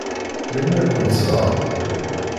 Melmi ad kent-tẓeṛ?